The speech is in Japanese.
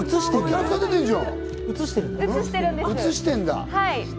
映してるんだ。